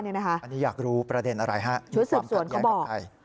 อันนี้อยากรู้ประเด็นอะไรมีความผักย้ายกับใคร